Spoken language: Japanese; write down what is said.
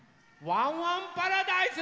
ワンワンパラダーイス！